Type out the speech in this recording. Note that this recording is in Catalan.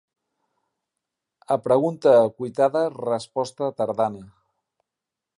A pregunta cuitada, resposta tardana.